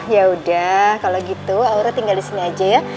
ya udah kalau gitu aura tinggal di sini aja ya